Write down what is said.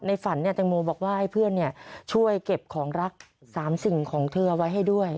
ในฝันเนี้ยแตงโมบอกว่าให้เพื่อนเนี้ยช่วยเก็บของรักสามสิ่งของเธอเอาไว้ให้ด้วย